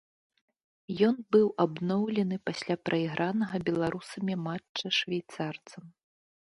Ён быў абноўлены пасля прайгранага беларусамі матча швейцарцам.